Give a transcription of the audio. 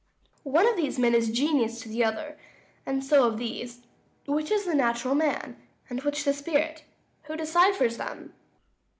_ One of these men is Genius to the other; And so of these. Which is the natural man, And which the spirit? who deciphers them?